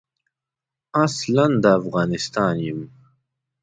اصلاً د افغانستان یم.